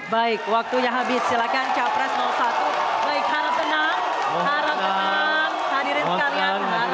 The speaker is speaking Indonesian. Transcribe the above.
baik waktunya habis silakan capres nomor satu